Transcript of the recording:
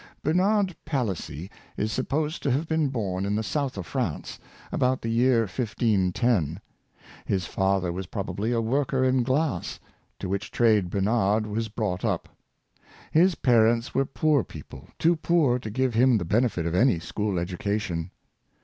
Bernard Palissy is supposed to have been born in the south of France, about the year 1510. His father was probably a worker in glass, to which trade Bernard was brought up. His parents were poor people — too poor to give him the benefit of any school education.